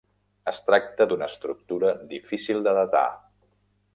Es tracta d'una estructura difícil de datar.